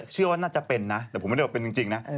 เชื่อว่าน่าจะเป็นนะแต่ผมไม่ได้ว่าเป็นจริงนะ